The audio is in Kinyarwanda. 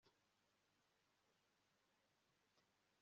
Nyamuneka nyamuneka wiyiteho kugirango udafata ubukonje